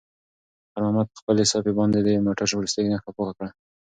خیر محمد په خپلې صافې باندې د موټر وروستۍ نښه پاکه کړه.